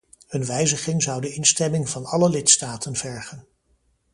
Een wijziging zou de instemming van alle lidstaten vergen.